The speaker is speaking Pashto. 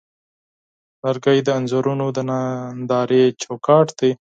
لرګی د انځورونو د نندارې چوکاټ دی.